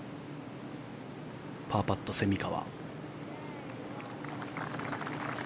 パーパット、蝉川。